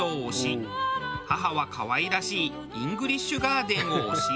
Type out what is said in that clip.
母は可愛らしいイングリッシュガーデンを推し